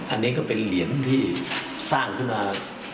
อันนี้ก็เป็นเหรียญที่สร้างขึ้นมา